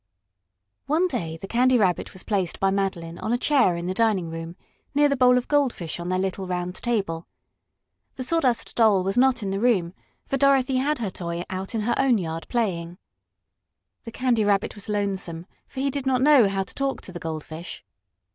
One day the Candy Rabbit was placed by Madeline on a chair in the dining room, near the bowl of goldfish on their little round table. The Sawdust Doll was not in the room, for Dorothy had her toy out in her own yard playing. The Candy Rabbit was lonesome, for he did not know how to talk to the goldfish.